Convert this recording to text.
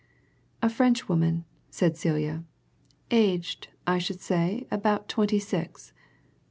"A Frenchwoman," said Celia. "Aged, I should say, about twenty six.